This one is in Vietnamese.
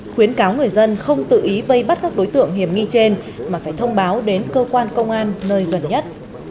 khuyến cáo người dân không tự ý vây bắt các đối tượng hiểm nghi trên mà phải thông báo đến cơ quan công an nơi gần nhất